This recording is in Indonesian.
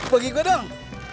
bagi gua dong